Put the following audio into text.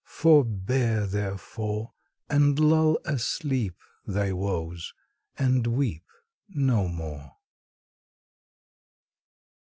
Forbear, therefore, And lull asleep Thy woes, and weep No more.